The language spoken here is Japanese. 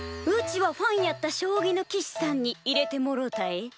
うちはファンやった将棋の棋士さんに入れてもろうたえ。